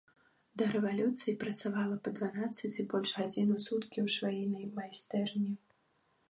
Да рэвалюцыі працавала па дванаццаць і больш гадзін у суткі ў швейнай майстэрні.